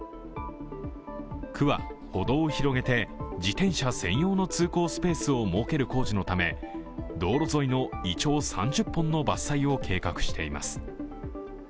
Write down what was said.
区は歩道を広げて自転車専用の通行スペースを設ける理由で、道路沿いのいちょう３０本の伐採を計画しています。